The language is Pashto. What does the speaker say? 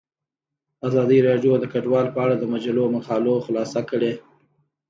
ازادي راډیو د کډوال په اړه د مجلو مقالو خلاصه کړې.